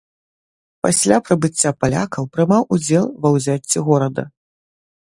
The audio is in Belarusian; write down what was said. Пасля прыбыцця палякаў прымаў удзел ва ўзяцці горада.